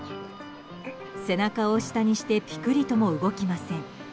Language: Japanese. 背中を下にしてピクリとも動きません。